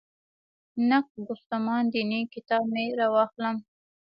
«نقد ګفتمان دیني» کتاب مې راواخلم.